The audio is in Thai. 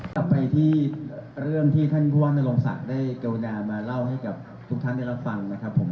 กลับไปที่เรื่องที่ท่านผู้ว่านโรงศักดิ์ได้กรุณามาเล่าให้กับทุกท่านได้รับฟังนะครับผม